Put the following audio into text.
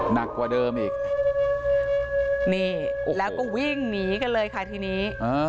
หนักกว่าเดิมอีกนี่แล้วก็วิ่งหนีกันเลยค่ะทีนี้